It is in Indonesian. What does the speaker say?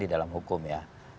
di dalam hukum ya